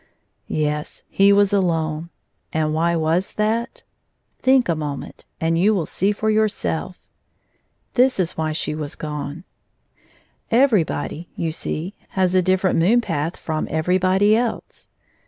Yes, he was alone. And why was that? Think a moment, and you will see for yourself. This is why she was gone :— Everybody, you see, has a different moon path from everybody else.